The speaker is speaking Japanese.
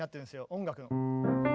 音楽の。